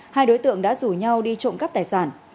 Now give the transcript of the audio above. hai đối tượng đã rủ nhau đi trộm cắp tài sản